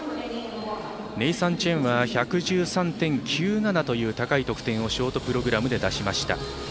ネイサン・チェンは１１３．９７という高い得点をショートプログラムで出しました。